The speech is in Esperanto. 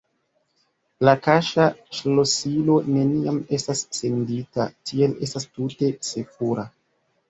La kaŝa ŝlosilo neniam estas sendita, tial estas tute sekura.